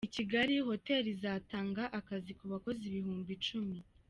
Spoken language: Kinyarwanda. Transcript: Ikigali Hoteli izatanga akazi ku bakozi ibihumbi icumi